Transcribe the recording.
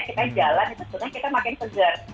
kita jalan itu sebetulnya kita makin segar